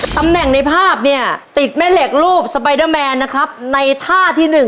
ตำแหน่งในภาพติดแม่เหล็กรูปสปายเดอร์แมนในท่าที่๑